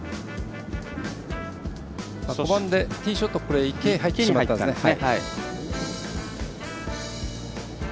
５番でピンショット池に入ってしまったんですね。